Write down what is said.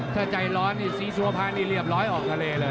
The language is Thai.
ถ้าใจร้อนนี่ศรีสุวภานี่เรียบร้อยออกทะเลเลย